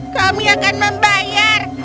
kami akan membayar